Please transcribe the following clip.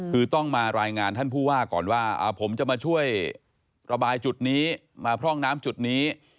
คือต้องมารายงานท่านผู้ว่าก่อนว่าผมจะมาช่วยระบายจุดนี้มาพร่องน้ำจุดนี้